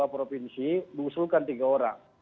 provinsi mengusulkan tiga orang